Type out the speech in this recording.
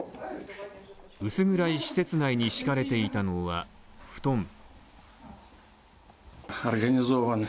薄暗い施設内に敷かれていたのは布団。